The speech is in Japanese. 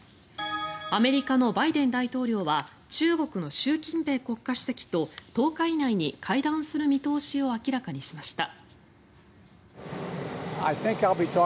アメリカのバイデン大統領は中国の習近平国家主席と１０日以内に会談する見通しを明らかにしました。